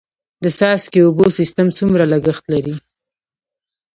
د څاڅکي اوبو سیستم څومره لګښت لري؟